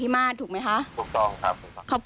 สวัสดีครับ